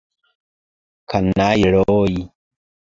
Kanajloj!